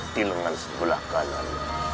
di lengan sebelah kanan